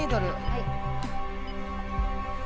はい。